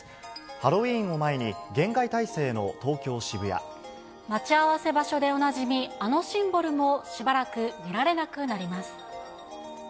ハロウィーンを前に、待ち合わせ場所でおなじみ、あのシンボルもしばらく見られなくなります。